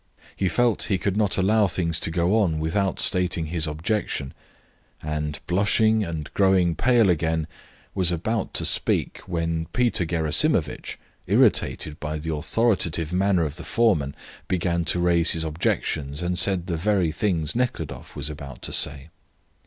He felt he could not allow things to go on without stating his objection; and, blushing and growing pale again, was about to speak when Peter Gerasimovitch, irritated by the authoritative manner of the foreman, began to raise his objections and said the very things Nekhludoff was about to say.